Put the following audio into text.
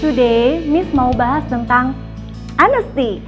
hari ini saya mau bahas tentang honesty